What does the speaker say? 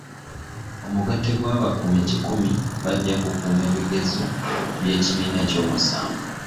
Omugatte gw'abakuumi kikumi bajja kukuuma ebigezo by'ekibiina ky'ekyomusanvu.